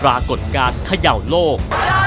รากดการเขย่าโลก